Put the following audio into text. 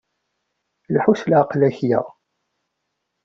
Lḥu s leɛqel akya.